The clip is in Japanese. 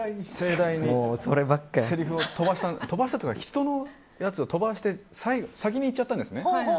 せりふを飛ばしたというか人のやつを飛ばして先に言っちゃったんですね。